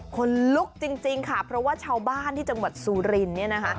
คนลุกจริงค่ะเพราะว่าชาวบ้านที่จังหวัดซูรินฯ